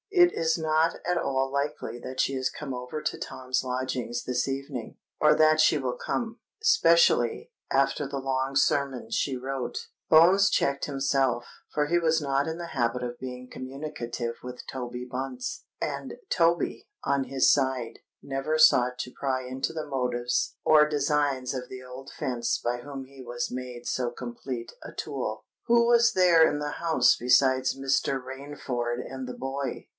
"It is not at all likely that she has come over to Tom's lodgings this evening, or that she will come—'specially after the long sermon she wrote——" Bones checked himself; for he was not in the habit of being communicative with Toby Bunce; and Toby, on his side, never sought to pry into the motives or designs of the old fence by whom he was made so complete a tool. "Who is there in the house besides Mr. Rainford and the boy?"